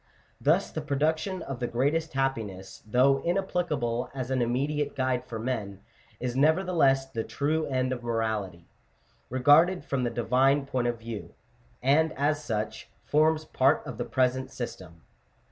Thus the production of the greatest happiness, though inapplicable as an immediate guide for men, is nevertheless the true end of morality, re garded from the Divine point of view ; and as such, forms part of the present system (Chap.